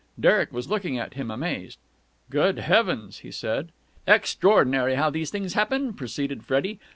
Derek was looking at him, amazed. "Good Heavens!" he said. "Extraordinary how these things happen," proceeded Freddie.